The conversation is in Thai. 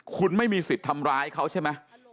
คุณไม่มีสิทธิ์ทำร้ายเขาใช่ไหม